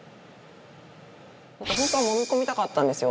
本当はもみ込みたかったんですよ